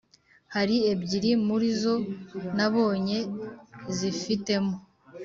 hari ebyiri muri zo nabonye zifitemo